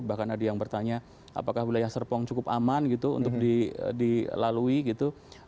bahkan ada yang bertanya apakah wilayah serpong cukup aman gitu untuk dilalui gitu